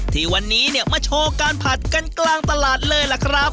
ที่วันนี้เนี่ยมาโชว์การผัดกันกลางตลาดเลยล่ะครับ